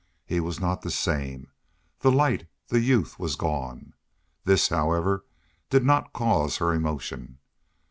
He was not the same. The light, the youth was gone. This, however, did not cause her emotion.